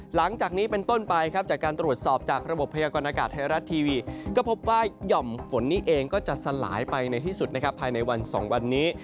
หลังจากนี้เป็นต้นไปครับจากการตรวจสอบจากระบบพยากรณากาศไทยรัฐทีวีก็พบว่าหย่อมฝนนี้เองก็จะสลายไปในที่สุดนะครับภายในวัน๒วันนี้